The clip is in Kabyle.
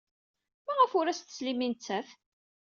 Maɣef ur as-teslim i nettat?